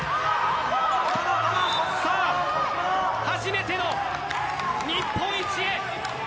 初めての日本一へ。